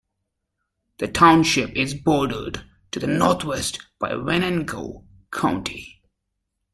The township is bordered to the northwest by Venango County.